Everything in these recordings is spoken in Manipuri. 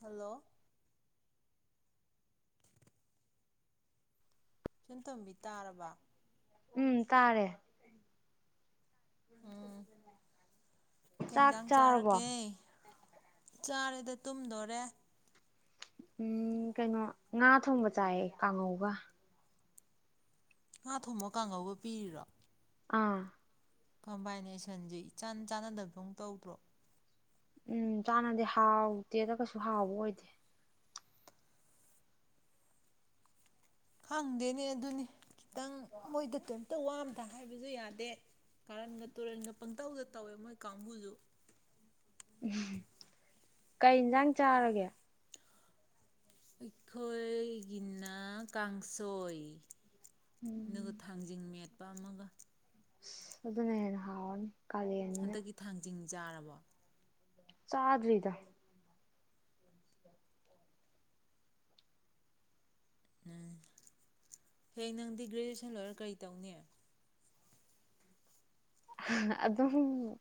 ꯍꯜꯂꯣ꯫ ꯏꯆꯟ ꯇꯣꯝꯕꯤ ꯇꯥꯔꯕ꯫ ꯎꯝ ꯇꯥꯔꯦ꯫ ꯌꯨꯝ ꯎꯝ ꯁꯦꯝꯕꯗꯅꯦ ꯀꯩ ꯆꯥꯛ ꯏꯟꯖꯥꯡ ꯆꯥꯔꯕꯣ꯫ ꯆꯥꯔꯒꯦ ꯆꯥꯔꯦꯗ ꯇꯨꯝꯗꯣꯔꯦ꯫ ꯎꯝ ꯀꯩꯅꯣ ꯉꯥ ꯊꯣꯡꯕ ꯆꯥꯏ ꯀꯥꯡꯒꯧꯒ꯫ ꯉꯥ ꯊꯣꯡꯕ ꯀꯥꯡꯒꯧꯒ ꯄꯤꯔꯤꯔꯣ꯫ ꯑꯥ꯫ ꯀꯝꯕꯥꯏꯅꯦꯁꯟꯖꯦ ꯏꯆꯥꯟ ꯆꯥꯟꯅꯗꯕꯗꯧ ꯇꯧꯗ꯭ꯔꯣ꯫ ꯎꯝ ꯆꯥꯟꯅꯗꯦ ꯍꯥꯎꯇꯦꯗ ꯀꯩꯁꯨ ꯍꯥꯎꯕ ꯑꯣꯏꯗꯦ꯫ ꯍꯪꯗꯦꯅꯦ ꯑꯗꯨꯅꯤ꯫ ꯇꯪ ꯃꯣꯏꯗ [unintelligible] ꯇ ꯋꯥ ꯑꯃꯇ ꯍꯥꯏꯕꯖꯨ ꯌꯥꯗꯦ ꯀꯥꯔꯟꯒ ꯇꯨꯔꯟꯒ ꯄꯪꯇꯧꯗ ꯇꯧꯋꯦ ꯃꯣꯏ ꯀꯥꯡꯕꯨꯖꯨ꯫ ꯀꯩ ꯏꯟꯖꯥꯡ ꯆꯥꯔꯒꯦ꯫ ꯑꯩꯈꯣꯏꯒꯤꯅ ꯀꯥꯡꯁꯣꯏ꯫ ꯅꯨ ꯎꯝ ꯊꯥꯡꯖꯤꯡ ꯃꯦꯠ ꯑꯃꯒ ꯑꯗꯨꯅ ꯍꯦꯟꯅ ꯍꯥꯎꯔꯅꯤ꯫ ꯀꯥꯂꯦꯟꯅꯤꯅ ꯍꯟꯗꯛꯀꯤ ꯊꯥꯡꯖꯤꯡ꯫ ꯆꯥꯔꯕꯣ꯫ ꯆꯗꯔꯤꯗ꯫ ꯎꯝ ꯍꯌꯦꯡ ꯅꯪꯗꯤ ꯒ꯭ꯔꯦꯖꯨꯑꯦꯁꯟ ꯂꯣꯏꯔ ꯀꯔꯤ ꯇꯧꯅꯤ꯫ ꯑꯗꯨꯝ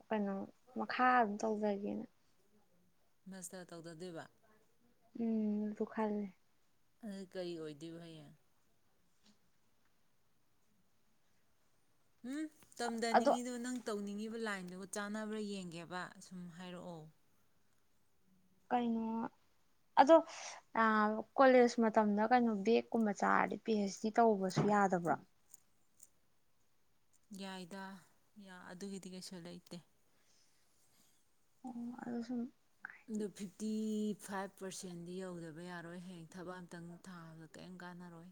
ꯀꯩꯅꯣ ꯃꯈꯥ ꯑꯗꯨꯝ ꯇꯧꯗꯒꯦꯅ ꯃꯁꯇ ꯇꯧꯗꯗꯣꯏꯕ ꯎꯝ ꯇ ꯈꯜꯦ ꯑꯥ ꯀꯔꯤ ꯑꯣꯏꯗꯣꯏꯕ ꯍꯌꯦꯡ ꯎꯝ ꯑꯗꯣ ꯇꯝꯊꯅꯤꯡꯉꯤꯗꯣ ꯅꯪ ꯇꯧꯅꯤꯡꯉꯤꯕ ꯑꯗꯨꯕꯨ ꯂꯥꯏꯟꯗꯨꯒ ꯆꯥꯟꯅꯕ꯭ꯔꯥ ꯌꯦꯡꯒꯦꯕ ꯑꯁꯨꯝ ꯍꯥꯏꯔꯛꯑꯣ ꯀꯩꯅꯣ ꯑꯗꯣ ꯇꯥꯑꯣ ꯀꯣꯂꯦꯖ ꯃꯇꯝꯗ ꯀꯩꯅꯣ ꯕꯦꯒꯀꯨꯝꯕ ꯆꯥꯔꯗꯤ ꯄꯤ ꯑꯩꯩꯆ ꯗꯤ ꯇꯧꯕꯁꯨ ꯌꯥꯗꯕ꯭ꯔꯥ ꯌꯥꯏꯗ ꯑꯗꯨꯒꯤꯗꯤ ꯀꯩꯁꯨ ꯂꯩꯇꯦ ꯑꯣ ꯑꯗꯨ ꯁꯨꯝ ꯑꯗꯨ ꯐꯤꯐꯇꯤ ꯐꯥꯏꯚ ꯄꯥꯔꯁꯦꯟꯗꯤ ꯌꯧꯗꯕ ꯌꯥꯔꯣꯏ ꯍꯌꯦꯡ ꯊꯕꯛ ꯑꯝꯇꯡ ꯊꯥꯕꯗ ꯀꯔꯤꯝ ꯀꯥꯟꯅꯔꯣꯏ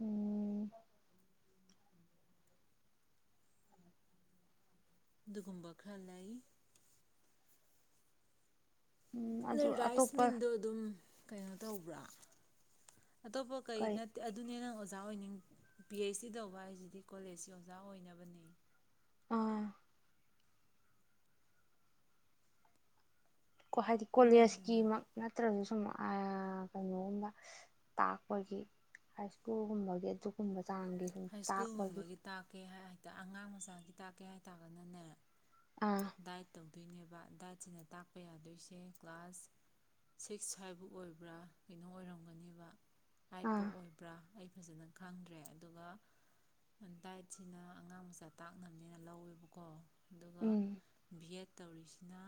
ꯎꯝ ꯗꯨꯒꯨꯝꯕ ꯈꯔꯂꯏ ꯎꯝ ꯑꯗꯨ ꯅꯣꯏ ꯔꯥꯏꯁ ꯑꯇꯣꯞꯄ ꯃꯤꯟꯗ ꯑꯗꯨꯝ ꯀꯩꯅꯣ ꯇꯧꯕ꯭ꯔꯥ ꯑꯇꯣꯞꯄ ꯀꯩ ꯅꯠꯇꯦ ꯑꯗꯨꯅꯦ ꯅꯡ ꯍꯧꯖꯥ ꯆꯥ ꯑꯣꯏꯅꯤꯡ ꯄꯤ ꯑꯩꯆ ꯗꯤ ꯇꯧꯕ ꯍꯥꯏꯁꯤꯗꯤ ꯀꯣꯂꯦꯖꯀꯤ ꯑꯣꯖꯥ ꯑꯣꯏꯅꯕꯅꯤ ꯑꯥ ꯀꯣ ꯍꯥꯏꯗꯤ ꯁꯨꯝ ꯂꯩꯗꯅ ꯀꯣꯂꯦꯖꯀꯤꯃꯛ ꯅꯠꯇ꯭ꯔꯒꯁꯨ ꯎꯝ ꯑꯌꯥ ꯀꯩꯅꯣꯝꯕ ꯇꯥꯛꯄꯒꯤ ꯍꯥꯏ ꯁ꯭ꯀꯨꯜꯒꯨꯝꯕꯒꯤ ꯑꯗꯨꯒꯨꯝꯕ ꯆꯥꯡꯒꯤ ꯁꯨꯃ ꯇꯥꯛꯄꯒꯤ ꯇꯥ ꯑꯉꯥꯡ ꯃꯆꯥꯒꯤ ꯇꯥꯛꯀꯦ ꯍꯥꯏꯇꯥꯔꯒꯥꯅꯅꯦ ꯑꯥ ꯗꯥꯏꯠ ꯇꯧ ꯇꯨꯏꯅꯦꯕ ꯗꯥꯏꯠꯁꯤꯅ ꯇꯥꯛꯄ ꯌꯥꯗꯣꯏꯁꯦ ꯀ꯭ꯂꯥꯁ ꯁꯤꯛ ꯁꯨꯋꯥꯏ ꯑꯣꯏꯕ꯭ꯔꯥ ꯀꯩꯅꯣ ꯑꯣꯏꯔꯝꯒꯅꯦꯕ ꯍꯥꯏꯠꯄꯧ ꯑꯥ ꯑꯣꯏꯕ꯭ꯔꯥ ꯑꯩ ꯐꯖꯅ ꯈꯪꯗ꯭ꯔꯦ ꯑꯗꯨꯒ ꯗꯥꯏꯠꯁꯤꯅ ꯑꯉꯥꯡ ꯃꯆꯥ ꯇꯥꯛꯅꯕꯅꯦꯅ ꯂꯧꯋꯦꯕꯀꯣ ꯎꯝ ꯌꯩꯠ ꯇꯧꯔꯤꯁꯤꯅ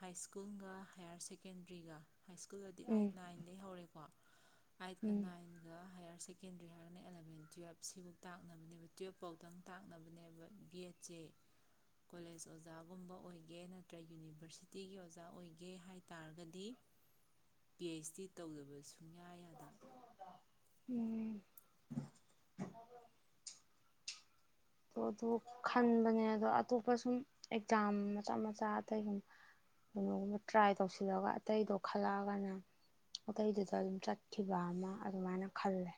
ꯍꯥꯏ ꯁ꯭ꯀꯨꯜꯒ ꯍꯥꯏꯌꯔ ꯁꯦꯀꯦꯟꯗꯔꯤꯒ ꯍꯥꯏ ꯁ꯭ꯀꯨꯜꯗꯗꯤ ꯎꯝ ꯑꯥꯏꯠ ꯅꯥꯏꯟꯗꯩ ꯍꯧꯔꯦ ꯄꯥ ꯑꯩꯏꯠ ꯀꯥ ꯎꯝ ꯅꯥꯏꯟꯒ ꯍꯥꯌꯔ ꯁꯦꯀꯦꯟꯗ꯭ꯔꯤ ꯍꯥꯏꯔꯒꯅꯥ ꯑꯦꯂꯚꯦꯟ ꯇꯨꯋꯜꯞ ꯁꯤꯐꯥꯎ ꯇꯥꯛꯅꯕꯅꯦꯕ ꯇꯨꯌꯦꯜꯐꯥꯎꯗꯪ ꯇꯥꯛꯅꯕꯅꯦꯕ ꯕꯤ ꯑꯦꯗꯁꯦ ꯀꯣꯂꯦꯁ ꯑꯣꯖꯥꯒꯨꯝꯕ ꯑꯣꯏꯒꯦ ꯅꯠꯇ꯭ꯔ ꯌꯨꯅꯤꯚꯔꯁꯤꯇꯤꯒꯤ ꯑꯣꯖꯥ ꯑꯣꯏꯒꯦ ꯍꯥꯏꯇꯥꯔꯒꯗꯤ ꯄꯤ ꯑꯩꯆ ꯗꯤ ꯇꯧꯗꯕ ꯁꯨꯡ ꯌꯥꯏ ꯎꯝ ꯇꯣ ꯑꯗꯨ ꯈꯟꯕꯅꯦ ꯑꯗꯣ ꯑꯇꯣꯞꯄ ꯁꯨꯝ ꯑꯦꯛꯖꯥꯝ ꯃꯆꯥ ꯃꯆꯥ ꯑꯇꯩ ꯍꯨꯝ ꯀꯩꯅꯣꯒꯨꯝꯕ ꯇ꯭ꯔꯥꯏ ꯇꯧꯁꯤꯜꯂꯒ ꯑꯇꯩꯗꯣ ꯈꯜꯂꯛꯑꯒꯅ ꯑꯇꯩꯗꯨꯗ ꯑꯗꯨꯝ ꯆꯠꯈꯤꯕ ꯑꯃ ꯑꯗꯨꯃꯥꯏꯅ ꯈꯜꯂꯦ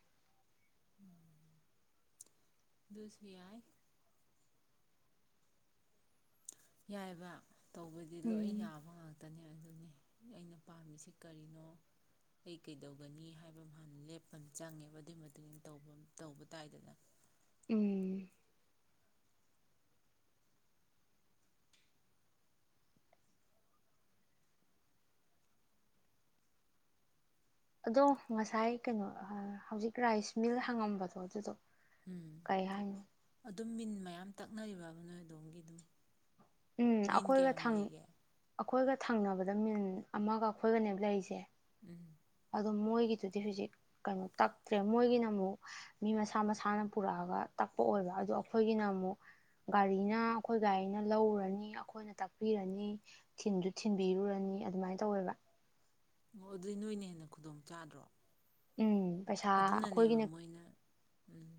ꯑꯗꯨꯁꯨ ꯌꯥꯏ ꯌꯥꯏꯕ ꯇꯧꯕꯩꯗꯤ ꯂꯣꯏ ꯎꯝ ꯌꯥꯕ ꯉꯥꯛꯇꯅꯤ ꯑꯗꯨ ꯑꯗꯨꯅꯤ ꯑꯩꯅ ꯄꯥꯝꯃꯤꯁꯤ ꯀꯔꯤꯅꯣ ꯑꯩ ꯀꯩꯗꯧꯒꯅꯤ ꯍꯥꯏꯕ ꯍꯟ ꯂꯦꯞꯄ ꯑꯃ ꯆꯪꯉꯦꯕ ꯑꯗꯨꯒꯤ ꯃꯇꯨꯡꯏꯅ ꯇꯧꯕꯥ ꯑꯃ ꯇꯧꯕ ꯇꯥꯏꯗꯅ ꯎꯝ ꯑꯗꯣ ꯉꯁꯥꯏ ꯀꯩꯅꯣ ꯑꯍꯥ ꯍꯧꯖꯤꯛ ꯔꯥꯏꯁ ꯃꯤꯜ ꯍꯪꯉꯝꯕꯗꯣ ꯑꯗꯨꯗꯣ ꯎꯝ ꯀꯩ ꯍꯥꯏꯅꯣ ꯑꯗꯨꯝ ꯃꯤꯟ ꯃꯌꯥꯝ ꯇꯛꯅꯔꯤꯕ ꯅꯣꯏ ꯑꯗꯣꯝꯒꯤ ꯑꯗꯨꯝ ꯎꯝ ꯃꯤꯟ ꯑꯈꯣꯏꯒ ꯀꯌꯥꯝ ꯊꯪ ꯂꯩꯒꯦ ꯑꯈꯣꯏꯒ ꯊꯪꯅꯕꯗ ꯃꯤꯟ ꯑꯃꯒ ꯑꯈꯣꯏꯒꯅꯦꯕ ꯂꯩꯔꯤꯁꯦ ꯎꯝ ꯑꯗꯣ ꯃꯣꯏꯒꯤꯗꯨꯗꯤ ꯍꯧꯖꯤꯛ ꯀꯩꯅꯣ ꯇꯛꯇ꯭ꯔꯦ ꯃꯣꯏꯒꯤꯅ ꯑꯃꯨꯛ ꯃꯤ ꯃꯁꯥ ꯃꯁꯥꯅ ꯄꯨꯔꯛꯑꯒ ꯇꯛꯄ ꯑꯣꯏꯕ ꯑꯗꯣ ꯑꯈꯣꯏꯒꯤꯅ ꯑꯃꯨꯛ ꯒꯥꯔꯤꯅ ꯑꯈꯣꯏ ꯒꯥꯔꯤꯅ ꯂꯧꯔꯨꯔ ꯑꯈꯣꯏꯅ ꯇꯥꯛꯄꯤꯔꯅꯤ ꯊꯤꯟꯁꯨ ꯊꯤꯟꯕꯤꯔꯨꯔꯅꯤ ꯑꯗꯨꯃꯥꯏ ꯇꯧꯋꯦꯕ ꯑꯣ ꯑꯗꯨꯏ ꯅꯣꯏꯅ ꯍꯦꯟꯅ ꯈꯨꯗꯣꯡ ꯆꯥꯗ꯭ꯔꯣ ꯎꯝ ꯄꯩꯁꯥ ꯑꯗꯨꯅꯅꯦꯕ ꯑꯈꯣꯏꯒꯤꯅ ꯃꯣꯏꯅ ꯎꯝ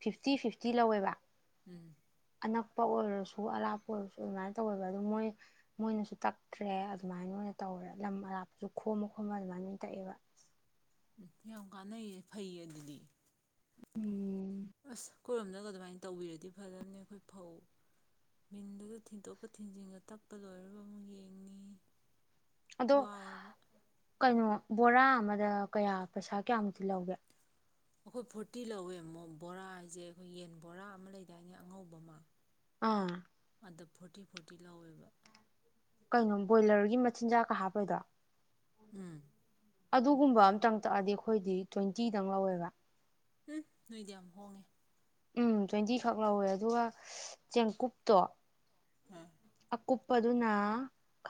ꯐꯤꯐꯇꯤ ꯐꯤꯐꯇꯤ ꯂꯧꯋꯦꯕ? ꯎꯝ ꯑꯅꯥꯛꯄ ꯑꯣꯏꯔꯁꯨ ꯑꯔꯥꯞꯄ ꯑꯣꯏꯔꯁꯨ ꯑꯗꯨꯃꯥꯏꯅ ꯇꯧꯋꯦꯕ ꯑꯗꯨ ꯃꯣꯏ ꯃꯣꯏꯅꯁꯨ ꯇꯛꯇ꯭ꯔꯦ ꯑꯗꯨꯃꯥꯏꯅ ꯑꯣꯏꯅ ꯇꯧꯔꯦ꯫ ꯂꯝ ꯑꯔꯥꯞꯄꯁꯨ ꯈꯣꯝꯃ ꯈꯣꯝꯃ ꯑꯗꯨꯃꯥꯏꯅ ꯑꯣꯏꯅ ꯇꯛꯑꯦꯕ꯫ ꯎꯝ ꯌꯥꯝ ꯀꯥꯟꯅꯩꯌꯦ ꯐꯩꯌꯦ ꯑꯗꯨꯗꯤ ꯎꯝ ꯑꯁ ꯈꯣꯏꯔꯣꯝꯗꯒ ꯑꯗꯨꯃꯏ ꯇꯧꯕꯤꯔꯗꯤ ꯐꯦꯗꯝꯅꯦ ꯑꯈꯣꯏ ꯐꯧ, ꯃꯤꯟꯗꯨꯗ ꯊꯤꯟꯇꯣꯛꯀ ꯊꯤꯟꯖꯤꯟꯒ ꯇꯛꯄ ꯂꯣꯏꯔꯕ ꯑꯃꯨꯛ ꯌꯦꯡꯅꯤ ꯑꯗꯣ ꯋꯥꯏꯌꯦꯕ ꯀꯩꯅꯣ ꯕꯣꯔꯥ ꯑꯃꯗ ꯀꯌꯥ ꯄꯩꯁꯥ ꯀꯌꯥꯃꯨꯛꯇꯤ ꯂꯧꯒꯦ? ꯑꯈꯣꯏ ꯐꯣꯔꯇꯤ ꯂꯧꯋꯦ ꯃꯣ ꯕꯣꯔꯥ ꯍꯥꯏꯁꯦ ꯑꯩꯈꯣꯏ ꯌꯦꯟ ꯕꯣꯔꯥ ꯑꯃ ꯂꯩꯗꯥꯏꯅꯦ ꯑꯉꯧꯕ ꯑꯃ ꯑꯥ ꯑꯗ ꯐꯣꯔꯇꯤ ꯐꯣꯔꯇꯤ ꯂꯥꯎꯋꯦꯕ꯫ ꯀꯩꯅꯣ ꯕꯣꯏꯂꯔꯒꯤ ꯃꯆꯤꯟꯖꯥꯛꯀ ꯍꯥꯞꯄꯩꯗꯣ? ꯎꯝ ꯑꯗꯨꯒꯨꯝꯕ ꯑꯝꯇꯪ ꯇꯛꯑꯗꯤ ꯑꯈꯣꯏꯗꯤ ꯇ꯭ꯋꯦꯟꯇꯤꯗꯪ ꯂꯧꯋꯦꯕ ꯎꯝ ꯅꯣꯏꯗꯤ ꯌꯥꯝ ꯍꯣꯡꯉꯦ꯫ ꯎꯝ ꯇ꯭ꯋꯦꯟꯇꯤꯈꯛ ꯂꯧꯋꯦ ꯑꯗꯨꯒ [unintelligible] ꯆꯦꯡꯀꯨꯞꯇꯣ ꯑꯀꯨꯞ ꯄꯗꯨꯅ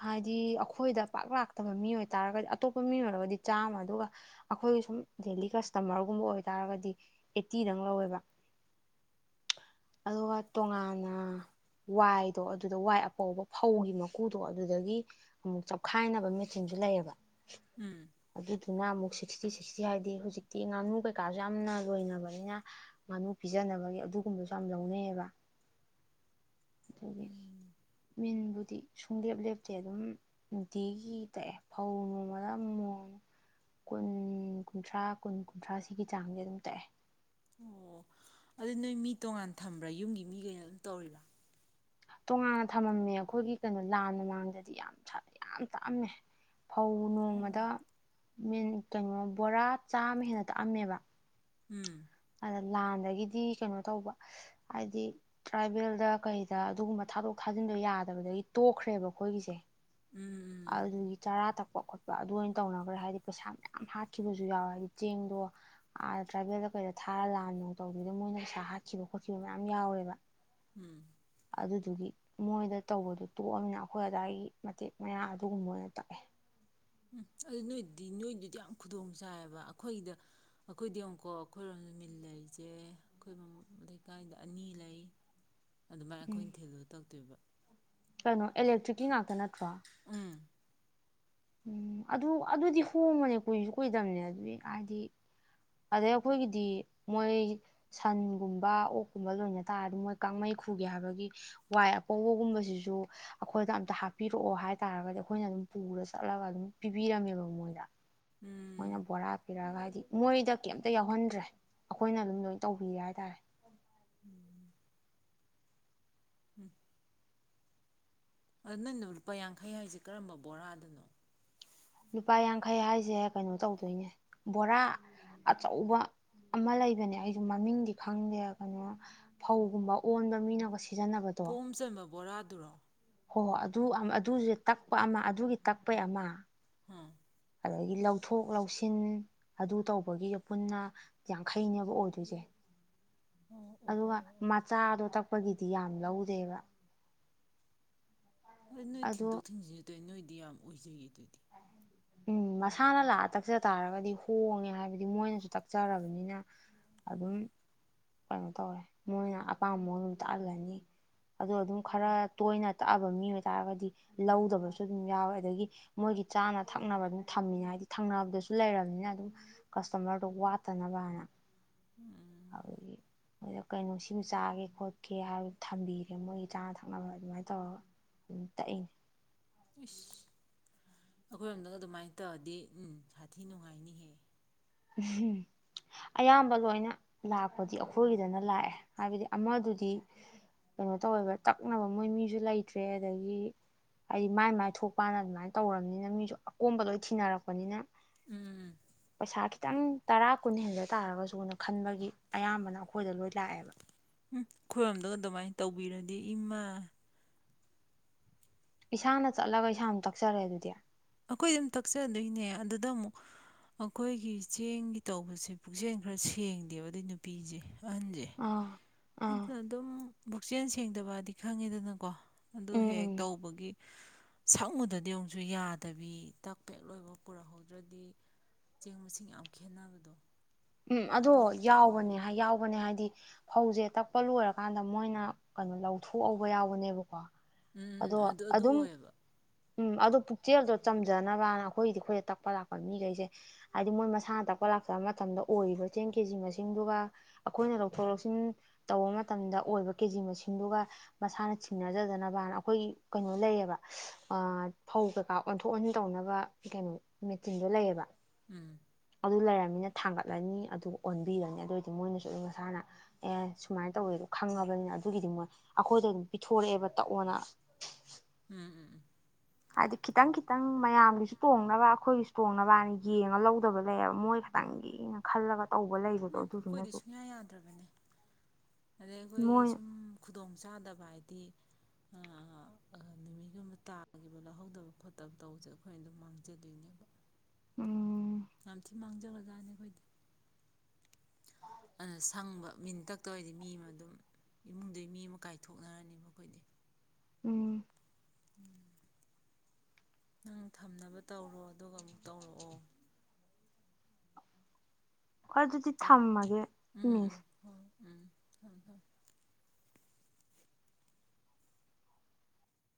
ꯍꯥꯏꯗꯤ ꯑꯈꯣꯏꯗ ꯄꯥꯛ ꯂꯥꯛꯇꯕ ꯃꯤ ꯑꯣꯏꯇꯥꯔꯒ ꯑꯇꯣꯞꯄ ꯃꯤ ꯑꯣꯏꯔꯒꯗꯤ ꯆꯥꯃꯥ ꯑꯗꯨꯒ ꯑꯈꯣꯏꯒꯤ ꯁꯨꯝ ꯗꯦꯂꯤ ꯀꯁꯇꯃꯔꯒꯨꯝꯕ ꯑꯣꯏꯇꯥꯔꯒꯗꯤ ꯑꯦꯠꯇꯤꯗꯪ ꯂꯧꯋꯦꯕ꯫ ꯑꯗꯨꯒ ꯇꯣꯉꯥꯟꯅ ꯋꯥꯏꯗꯣ ꯑꯗꯨꯗ ꯋꯥꯏ ꯑꯄꯧꯕ ꯐꯧꯒꯤ ꯃꯀꯨꯗꯣ ꯑꯗꯨꯗꯒꯤ ꯑꯃꯨꯛ ꯆꯞꯈꯥꯏꯅꯕ ꯃꯦꯆꯤꯟꯁꯨ ꯂꯩꯌꯦꯕ꯫ ꯎꯝ ꯑꯗꯨꯅ ꯑꯃꯨꯛ ꯁꯤꯛꯁ꯭ꯇꯤ ꯁꯤꯛꯁ꯭ꯇꯤ ꯍꯥꯏꯗꯤ ꯍꯧꯖꯤꯛꯇꯤ ꯉꯥꯅꯨ ꯀꯩꯀꯥꯁꯨ ꯌꯥꯝꯅ ꯂꯣꯏꯅꯕꯅꯤꯅ ꯉꯥꯅꯨ ꯄꯤꯖꯅꯕꯒꯤ ꯑꯗꯨꯒꯨꯝꯕꯁꯨ ꯌꯥꯝ ꯂꯧꯅꯩꯌꯦꯕ ꯑꯗꯨꯒꯤ ꯎꯝ ꯃꯤꯟꯕꯨ ꯗꯤ ꯁꯨꯡꯂꯦꯞ ꯂꯦꯞꯇꯦ ꯑꯗꯨꯝ ꯅꯨꯡꯇꯤꯒꯤ ꯇꯛꯑꯦ꯫ ꯐꯧ ꯅꯣꯡꯃꯗ ꯃꯣꯟ ꯀꯨꯟ ꯀꯨꯟꯊ꯭ꯔꯥ ꯀꯨꯟ ꯀꯨꯟꯊ꯭ꯔꯥ ꯁꯤꯒꯤ ꯆꯥꯡꯗꯤ ꯑꯗꯨꯝ ꯇꯛꯑꯦ꯫ ꯑꯣ ꯑꯗꯨ ꯅꯣꯏ ꯃꯤ ꯇꯣꯉꯥꯟ ꯊꯝꯕ꯭ꯔꯥ? ꯌꯨꯝꯒꯤ ꯃꯤꯒꯩꯅ ꯑꯗꯨꯝ ꯇꯧꯔꯤꯔ? ꯇꯣꯉꯥꯟꯅ ꯊꯝꯃꯝꯃꯦ ꯑꯈꯣꯏꯒꯤ ꯀꯩꯅꯣ ꯂꯥꯟ ꯃꯃꯥꯡꯗꯗꯤ ꯌꯥꯝ [unintelligible] ꯌꯥꯝ ꯇꯥꯛꯑꯝꯃꯦ꯫ ꯐꯧ ꯑꯣ ꯅꯣꯡꯃꯗꯥ ꯃꯤꯟ ꯀꯩꯅꯣ ꯕꯣꯔꯥ ꯆꯥꯃ ꯍꯦꯟꯅ ꯇꯛꯑꯝꯃꯦꯕ ꯎꯝ ꯑꯗ ꯂꯥꯟꯗꯒꯤꯗꯤ ꯀꯩꯅꯣ ꯇꯧꯕ, ꯍꯥꯏꯗꯤ ꯇ꯭ꯔꯥꯏꯕꯦꯜꯗ ꯀꯩꯗ ꯑꯗꯨꯒꯨꯝꯕ ꯊꯥꯗꯣꯛ ꯊꯥꯖꯤꯟꯗꯣ ꯌꯥꯗꯕꯗꯒꯤ ꯇꯣꯛꯈ꯭ꯔꯦꯕ ꯈꯣꯏꯒꯤꯁꯦ꯫ ꯎꯝ ꯑꯗꯨꯒꯤ ꯆꯔꯥ ꯊꯛ ꯄꯣꯛ ꯈꯣꯠꯄ ꯑꯗꯨ ꯑꯣꯏꯅ ꯇꯧꯅꯈ꯭ꯔꯦ ꯍꯥꯏꯗꯤ ꯄꯩꯁꯥ ꯃꯌꯥꯝ ꯍꯥꯠꯈꯤꯕꯁꯨ ꯌꯥꯎꯋꯦ ꯍꯥꯏꯗꯤ ꯆꯦꯡꯗꯣ ꯑꯥ ꯇ꯭ꯔꯥꯏꯕꯦꯜꯗ ꯀꯩꯗ ꯊꯥꯔ ꯂꯥꯟꯅꯨ ꯇꯧꯗꯗ ꯃꯣꯏꯅ ꯄꯩꯁꯥ ꯍꯥꯠꯈꯤꯕ ꯈꯣꯠꯈꯤꯕ ꯃꯌꯥꯝ ꯌꯥꯎꯋꯦꯕ꯫ ꯎꯝ ꯑꯗꯨꯗꯨꯒꯤ ꯃꯣꯏꯗ ꯇꯧꯕꯗꯨꯣ ꯇꯣꯛꯑꯝꯅꯤꯅ ꯑꯈꯣꯏ ꯑꯗꯥꯏꯒꯤ ꯃꯇꯦꯛ ꯃꯌꯥ ꯑꯗꯨꯒꯨꯝꯕ ꯑꯣꯏꯅ ꯇꯛꯑꯦ꯫ ꯎꯝ ꯑꯗꯨ ꯅꯣꯏꯗꯤ ꯅꯣꯏꯗꯨꯗꯤ ꯌꯥꯝ ꯈꯨꯗꯣꯡ ꯆꯥꯏꯌꯦꯕ ꯑꯈꯣꯏꯒꯤꯗ ꯑꯩꯈꯣꯏꯗꯤ ꯌꯦꯡꯑꯣꯀꯣ ꯑꯈꯣꯏꯔꯣꯝꯗ ꯃꯤꯜ ꯂꯩꯁꯦ ꯑꯈꯣꯏ ꯃꯃꯥꯡ [unintelligible] ꯂꯩꯀꯥꯏꯗ ꯑꯅꯤ ꯂꯩ ꯑꯗꯨꯃꯥꯏ ꯎꯝ ꯑꯈꯣꯏꯅ ꯊꯤꯜꯂ ꯇꯛꯇꯣꯏꯕ ꯀꯩꯅꯣ ꯑꯦꯂꯦꯛꯇ꯭ꯔꯤꯛꯀꯤ ꯉꯥꯛꯇ ꯅꯠꯇ꯭ꯔꯣ? ꯎꯝ ꯎꯝ ꯑꯗꯨ ꯑꯗꯨꯗꯤ ꯍꯣꯃꯅꯦ ꯀꯨꯏꯁꯨ ꯀꯨꯏꯗꯝꯕꯅꯦ ꯑꯗꯨꯗꯤ ꯍꯥꯏꯗꯤ ꯑꯗꯩ ꯑꯩꯈꯣꯏꯒꯤꯗꯤ ꯃꯣꯏ ꯁꯟꯒꯨꯝꯕ ꯑꯣꯛꯀꯨꯝꯕ ꯂꯣꯏꯅ ꯇꯥꯔꯗꯤ ꯃꯣꯏ ꯀꯥꯡꯃꯩ ꯈꯨꯒꯦ ꯍꯥꯏꯕꯒꯤ ꯋꯥꯏ ꯑꯄꯧꯕꯒꯨꯝꯕꯁꯤꯁꯨ ꯑꯩꯈꯣꯏꯗ ꯑꯝꯇ ꯍꯥꯞꯄꯤꯔꯛꯑꯣ ꯍꯥꯏꯇꯥꯔꯒꯗꯤ ꯑꯩꯈꯣꯏꯅ ꯑꯗꯨꯝ ꯄꯨꯔ ꯆ ꯆꯠꯂꯒ ꯑꯗꯨꯝ ꯄꯤꯕꯤꯔꯝꯃꯦꯕ ꯃꯣꯏꯗ ꯃꯣꯏꯅ ꯎꯝ ꯕꯣꯔꯥ ꯄꯤꯔꯛꯑꯒ ꯍꯥꯏꯗꯤ ꯃꯣꯏꯗ ꯀꯩꯝꯇ ꯌꯥꯎꯍꯟꯗ꯭ꯔꯦ ꯑꯩꯈꯣꯏꯅ ꯑꯗꯨꯝ ꯂꯣꯏ ꯇꯧꯕꯤꯔ ꯍꯥꯏꯇꯥꯔꯦ ꯎꯝ ꯑꯗꯨ ꯅꯪꯅꯣ ꯂꯨꯄꯥ ꯌꯥꯡꯈꯩ ꯍꯥꯏꯁꯦ ꯀꯔꯝꯕ ꯕꯣꯔꯥꯗꯅꯣ ꯂꯨꯄꯥ ꯌꯥꯡꯈꯩ ꯍꯥꯏꯁꯦ ꯀꯩꯅꯣ ꯇꯧꯗꯣꯏꯅꯦ ꯕꯣꯔꯥ ꯑꯆꯧꯕ ꯑꯃ ꯂꯩꯕꯅꯦ ꯑꯩꯁꯨ ꯃꯃꯤꯡꯗꯤ ꯈꯪꯗꯦ ꯀꯩꯅꯣ ꯐꯧꯒꯨꯝꯕ ꯑꯣꯟꯕ ꯃꯤꯅꯒ ꯁꯤꯖꯤꯟꯅꯕꯗꯣ ꯄꯣꯝ ꯆꯟꯕ ꯕꯣꯔꯥꯗ ꯊꯔꯣꯡ ꯍꯣ ꯍ ꯑꯗꯨ ꯑꯗꯨꯁꯦ ꯇꯛꯄ ꯑꯃ ꯑꯗꯨꯒꯤ ꯇꯛꯄꯩ ꯑꯃ ꯍꯥ ꯑꯗꯒꯤ ꯂꯧꯊꯣꯛ ꯂꯧꯁꯤꯟ ꯑꯗꯨ ꯇꯧꯕꯒꯤꯁꯨ ꯄꯨꯟꯅ ꯌꯥꯡꯈꯩꯅꯦꯕ ꯑꯣꯏꯗꯣꯏꯁꯦ ꯑꯣ ꯑꯣ ꯑꯗꯨꯒ ꯑꯣ ꯃꯆꯥꯗꯣ ꯇꯛꯄ ꯀꯄꯒꯤꯗꯤ ꯌꯥꯝ ꯂꯧꯗꯦꯕ ꯍꯣꯏ ꯅꯣꯏ ꯑꯗꯣ ꯊꯤꯟꯗꯣꯛ ꯊꯤꯟꯖꯤꯟꯠꯇꯣꯏ ꯅꯣꯏ ꯗꯤ ꯌꯥꯝ ꯑꯣꯏꯖꯗ ꯎꯝ ꯃꯁꯥꯅ ꯂꯥꯛꯑ ꯇꯛꯆ ꯇꯥꯔꯒꯗꯤ ꯍꯣꯡꯉꯦ ꯍꯥꯏꯕꯗꯤ ꯃꯣꯏꯅꯁꯨ ꯇꯛꯆꯔꯕꯅꯤꯅ ꯑꯗꯨꯝ ꯀꯩꯅꯣ ꯇꯧꯔꯦ ꯃꯣꯏꯅ ꯑꯄꯥꯝꯕ ꯃꯑꯣꯡꯗ ꯑꯗꯨꯝ ꯇꯥꯛꯍꯜꯂꯅꯤ ꯑꯗꯨꯣ ꯑꯗꯨꯝ ꯈꯔ ꯇꯣꯏꯅ ꯇꯛꯑꯕ ꯃꯤ ꯑꯣꯏ ꯇꯥꯔꯒꯗꯤ ꯂꯧꯗꯕꯁꯨ ꯑꯗꯨꯝ ꯌꯥꯎꯋꯦ ꯑꯗꯒꯤ ꯃꯣꯏꯒꯤ ꯆꯥꯅ ꯊꯛꯅꯕ ꯑꯗꯨꯝ ꯊꯝꯃꯤꯅ ꯍꯥꯏꯕꯗꯤ ꯊꯛꯅꯕꯗꯁꯨ ꯂꯩꯔꯕꯅꯤꯅ ꯑꯗꯨꯝ ꯀꯁꯇꯃꯔꯗꯣ ꯋꯥꯠꯇꯅꯕ ꯍꯥꯏꯅ ꯎꯝ ꯍꯧ ꯃꯣꯏꯗ ꯀꯩ ꯅꯨꯡꯁꯤꯃ ꯆꯥꯒꯦ ꯈꯣꯠꯀꯦ ꯍꯥꯏꯕ ꯊꯝꯕꯤꯈ꯭ꯔꯦ ꯃꯣꯏꯒꯤ ꯆꯥꯅ ꯊꯛꯅꯕ ꯑꯗꯨꯃꯥꯏꯅ ꯇꯧꯔꯒ ꯑꯗꯨꯝ ꯇꯛꯏꯅꯦ ꯏꯁꯁ ꯑꯩꯈꯣꯏꯔꯣꯝꯗꯪ ꯑꯗꯨꯃꯥꯏꯅ ꯇꯧꯔꯗꯤ ꯎꯝ ꯁꯥꯊꯤ ꯅꯨꯡꯉꯥꯏꯅꯤꯍꯦꯛ ꯎꯝ ꯑꯌꯥꯝꯕ ꯂꯣꯏꯅ ꯂꯥꯛꯄꯗꯤ ꯑꯩꯈꯣꯏꯒꯤꯗꯅ ꯂꯥꯛꯑꯦ ꯍꯥꯏꯕꯗꯤ ꯑꯃꯗꯨꯗꯤ ꯀꯩꯅꯣ ꯇꯧꯋꯦꯕ ꯇꯛꯅꯕ ꯃꯣꯏ ꯃꯤꯁꯨ ꯂꯩꯇ꯭ꯔꯦ ꯑꯗꯒꯤ ꯍꯥꯏꯗꯤ ꯃꯥꯏ ꯃꯥꯏ ꯊꯣꯛꯄꯅ ꯑꯗꯨꯃꯥꯏꯅ ꯇꯧꯅꯤꯅ ꯃꯤꯁꯨ ꯑꯀꯣꯝꯕ ꯂꯣꯏ ꯊꯤꯅꯔꯛꯄꯅꯤꯅ ꯎꯝ ꯁꯥꯠ ꯈꯤꯇꯪ ꯇꯔꯥ ꯀꯨꯟ ꯍꯦꯟꯖ ꯇꯥꯔꯒꯁꯨꯅ ꯈꯟꯕꯒꯤ ꯑꯌꯥꯝꯕꯅ ꯑꯩꯈꯣꯏꯗ ꯂꯣꯏ ꯂꯥꯛꯑꯦꯕ ꯎꯝ ꯈꯔꯣꯝꯗꯒ ꯑꯗꯨꯃꯥꯏꯅ ꯇꯧꯕꯤꯔꯗꯤ ꯏꯃꯥ ꯏꯁꯥꯅ ꯆꯠꯂꯒ ꯏꯁꯥꯅ ꯇꯛꯆꯔꯦ ꯑꯗꯨꯗꯤ ꯑꯩꯈꯣꯏ ꯑꯗꯨꯝ ꯇꯛꯆꯗꯣꯏꯅꯦ ꯑꯗꯨꯗ ꯑꯃꯨꯛ ꯑꯩꯈꯣꯏꯒꯤ ꯆꯦꯡꯒꯤ ꯇꯧꯕꯁꯦ ꯄꯨꯛꯆꯦꯜ ꯈꯔ ꯁꯦꯡꯗꯦꯕꯗꯩ ꯅꯨꯄꯤꯁꯦ ꯑꯪꯖꯤ ꯑ ꯑꯥ ꯑ ꯑꯗꯨꯝ ꯕꯨꯛꯆꯦꯟ ꯁꯦꯡꯗꯕꯗꯤ ꯈꯪꯉꯤꯗꯅꯀꯣ ꯑꯗꯨ ꯎꯝ ꯍꯦꯛ ꯎꯝ ꯇꯧꯕꯒꯤ ꯁꯛꯉꯨꯗꯗꯤ ꯑꯃꯨꯛꯁꯨ ꯌꯥꯗꯦ ꯇꯕꯤ ꯇꯛ ꯄꯦꯛ ꯂꯣꯏꯕ ꯄꯨꯔꯛꯍꯧꯗ꯭ꯔꯗꯤ ꯆꯦꯡ ꯃꯁꯤꯡ ꯌꯥꯝ ꯈꯦꯠꯅꯕꯗꯣ ꯎꯝ ꯑꯗꯣ ꯑꯗꯨ ꯍꯦꯛꯇ ꯌꯥꯎꯕꯅꯦ ꯑꯣꯏꯌꯦꯕ ꯍꯥꯏ ꯌꯥꯎꯕꯅꯦ ꯍꯥꯏꯗꯤ ꯐꯧꯁꯦ ꯇꯛꯄ ꯂꯣꯏꯔꯀꯥꯟꯗ ꯃꯣꯏꯅ ꯀꯩꯅꯣ ꯂꯧꯊꯣꯛꯍꯧꯕ ꯌꯥꯎꯕꯅꯦꯕꯀꯣ ꯎꯝ ꯑꯗꯣ ꯑꯗꯨ ꯑꯗꯨ ꯑꯗꯨꯝ ꯑꯣꯏꯌꯦꯕ ꯎꯝ ꯑꯗꯣ ꯄꯨꯛꯆꯦꯜꯗꯣ ꯆꯝꯖꯅꯕꯅ ꯑꯩꯈꯣꯏꯒꯤꯗꯤ ꯑꯩꯈꯣꯏꯗ ꯇꯛꯄ ꯂꯥꯛꯄ ꯃꯤꯈꯩꯁꯦ ꯍꯥꯏꯗꯤ ꯃꯣꯏ ꯃꯁꯥꯅ ꯇꯛꯄ ꯂꯥꯛꯆꯕ ꯃꯇꯝꯗ ꯑꯣꯏꯔꯤꯕ ꯆꯦꯡ ꯀꯦ ꯖꯤ ꯃꯁꯤꯡꯗꯨꯒ ꯑꯩꯈꯣꯏꯅ ꯂꯧꯊꯣꯛ ꯂꯧꯁꯤꯟ ꯇꯧꯕ ꯃꯇꯝꯗ ꯑꯣꯏꯕ ꯀꯦꯖꯤ ꯃꯁꯤꯡꯗꯨꯒ ꯃꯁꯥꯅ ꯤꯡꯅꯖꯗꯅꯕꯅ ꯑꯩꯈꯣꯏꯒꯤ ꯀꯩꯅꯣ ꯂꯩꯌꯦꯕ ꯐꯧ ꯀꯩꯀꯥ ꯑꯣꯟꯊꯣꯛ ꯑꯣꯟꯁꯤꯟ ꯇꯧꯅꯕ ꯀꯩꯅꯣ ꯃꯦꯆꯤꯟꯗꯣ ꯂꯩꯌꯦꯕ ꯎꯝ ꯑꯗꯨ ꯂꯩꯔꯅꯤꯅ ꯊꯥꯡꯒꯠꯂꯅꯤ ꯑꯗꯨꯒ ꯑꯣꯟꯕꯤꯔꯅꯤ ꯑꯗꯨꯑꯣꯏꯗꯤ ꯃꯣꯏꯅꯁꯨ ꯑꯗꯨꯝ ꯃꯁꯥꯅ ꯑꯦ ꯁꯨꯃꯥꯏꯅ ꯇꯧꯋꯦꯗ ꯈꯪꯉꯕꯅꯤꯅ ꯑꯗꯨꯒꯤꯗꯤ ꯃꯣꯏ ꯑꯩꯈꯣꯏꯗ ꯑꯗꯨꯝ ꯄꯤꯊꯣꯔꯛꯑꯦꯕ ꯇꯛꯑꯣꯅ ꯎꯝ ꯎꯝ ꯍꯥꯏꯗꯤ ꯈꯤꯇꯪ ꯈꯤꯇꯪ ꯃꯌꯥꯝꯒꯤꯁꯨ ꯇꯣꯡꯅꯕ ꯑꯩꯈꯣꯏꯒꯤꯁꯨ ꯇꯣꯡꯅꯕ ꯍꯥꯏꯅ ꯌꯦꯡꯉ ꯂꯧꯗꯕ ꯂꯩꯌꯦꯕ ꯃꯣꯏ ꯈꯈꯤꯇꯪꯒꯤꯅ ꯈꯜꯂꯒ ꯇꯧꯕ ꯎꯝ ꯂꯩꯕꯗꯣ ꯑꯩꯈꯣꯏꯗꯤ ꯑꯗꯨꯗꯨꯅꯁꯨ ꯁꯨꯡꯌꯥ ꯌꯥꯗ꯭ꯔꯕꯅꯦ ꯑꯗꯩ ꯑꯩꯈꯣꯏꯒꯤ ꯃꯣꯏ ꯁꯨꯝ ꯈꯨꯗꯣꯡ ꯆꯥꯗꯕ ꯍꯥꯏꯗꯤ ꯅꯨꯃꯤꯠꯒꯨꯝꯕ ꯇꯥꯈꯤꯕ ꯂꯧꯍꯧꯗꯕ ꯈꯣꯠꯇꯕ ꯇꯧꯕꯁꯦ ꯑꯩꯈꯣꯏꯅ ꯑꯗꯨꯝ ꯃꯥꯡꯖꯗꯣꯏꯅꯦꯕ ꯎꯝ ꯑ ꯃꯥꯡꯖꯕ ꯖꯥꯠꯅꯤ ꯑꯩꯈꯣꯏꯗꯤ ꯑꯗꯨꯅ ꯁꯪꯕ ꯃꯤꯟꯇꯛꯇ ꯑꯣꯏꯔꯗꯤ ꯃꯤ ꯑꯃ ꯑꯗꯨꯝ ꯏꯃꯨꯡꯗꯨ ꯃꯤ ꯑꯃ ꯀꯥꯏꯊꯣꯛꯅꯔꯅꯦꯕ ꯑꯩꯈꯣꯏꯗꯤ ꯎꯝ ꯅꯪ ꯊꯝꯅꯕ ꯇꯧꯔꯣ ꯑꯗꯨꯒ ꯑꯃꯨꯛ ꯇꯧꯔꯛꯑꯣ ꯍꯣꯏ ꯑꯗꯨꯗꯤ ꯇ ꯊꯝꯃꯒꯦ ꯎꯝ ꯎꯝ ꯃꯤꯁ ꯎꯝ ꯍꯣꯏ ꯎꯝ ꯊꯝ ꯊꯝ